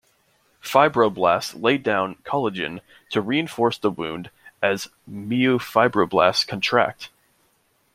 Fibroblasts lay down collagen to reinforce the wound as myofibroblasts contract.